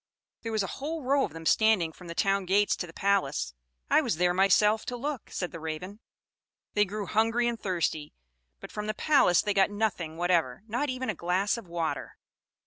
There was a whole row of them standing from the town gates to the palace. I was there myself to look," said the Raven. "They grew hungry and thirsty; but from the palace they got nothing whatever, not even a glass of water.